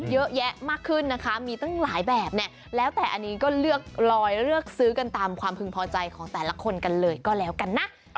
เยอะแยะมากขึ้นนะคะมีตั้งหลายแบบเนี่ยแล้วแต่อันนี้ก็เลือกลอยเลือกซื้อกันตามความพึงพอใจของแต่ละคนกันเลยก็แล้วกันนะ